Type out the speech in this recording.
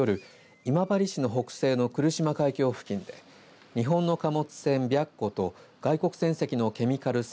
今治市の北西の来島海峡付近で日本の貨物船、白虎と外国船籍のケミカル船